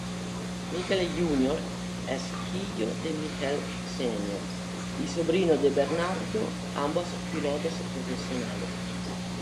Michel Jr., es hijo de Michel, Sr., y sobrino de Bernardo, ambos pilotos profesionales.